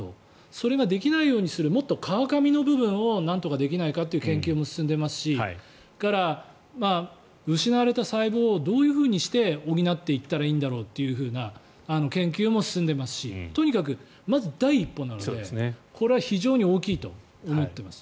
それができないようにするもっと川上の部分をなんとかできないかという研究も進んでいますし失われた細胞をどうやって補っていったらいいんだろうという研究も進んでいますしとにかくまず第一歩なのでこれは非常に大きいと思っています。